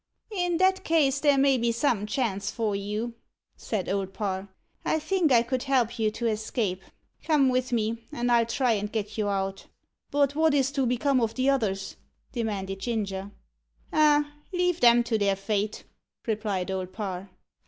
"In that case, there may be some chance for you," said Old Parr. "I think I could help you to escape. Come with me, and I'll try and get you out." "But wot is to become of the others?" demanded Ginger. "Oh, leave them to their fate," replied Old Parr.